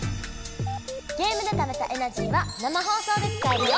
ゲームでためたエナジーは生放送で使えるよ！